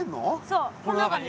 そうこの中に。